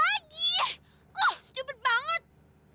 wah stupid banget